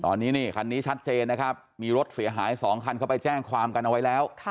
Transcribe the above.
ตอนนี้นี่คันนี้ชัดเจนนะครับมีรถเสียหาย๒คันเข้าไปแจ้งความกันเอาไว้แล้ว